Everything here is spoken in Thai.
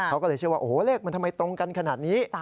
เขาก็เลยเชื่อว่าโอ้โหเลขมันทำไมตรงกันขนาดนี้